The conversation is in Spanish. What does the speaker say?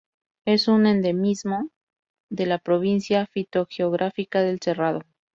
Es un endemismo de la Provincia fitogeográfica del Cerrado.